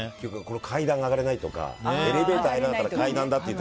階段が上がれないとかエレベーターがないから。